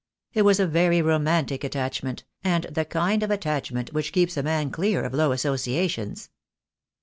It was a very romantic attachment, and the kind of attachment which keeps a man clear of low associations."